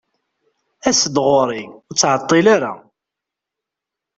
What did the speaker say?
as-d ɣur-i, ur ttɛeṭṭil ara.